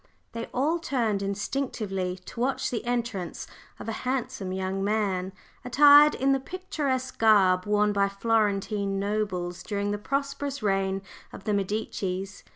They all turned instinctively to watch the entrance of a handsome young man, attired in the picturesque garb worn by Florentine nobles during the prosperous reign of the Medicis.